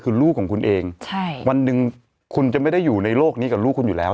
คือลูกของคุณเองใช่วันหนึ่งคุณจะไม่ได้อยู่ในโลกนี้กับลูกคุณอยู่แล้ว